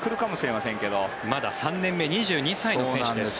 まだ３年目２２歳の選手です。